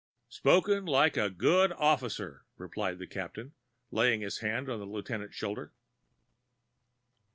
"Spoken like a good officer," replied the Captain, laying his hand on the lieutenant's shoulder.